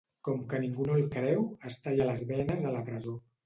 Com que ningú no el creu, es talla les venes a la presó.